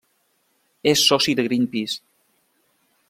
És soci de Greenpeace.